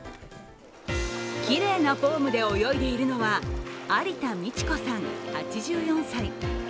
きれいなフォームで泳いでいるのは有田迪子さん、８４歳。